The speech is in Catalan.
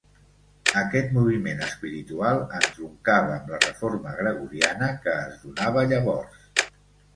Aquest moviment espiritual entroncava amb la reforma gregoriana que es donava llavors.